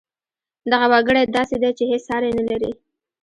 دغه وګړی داسې دی چې هېڅ ساری نه لري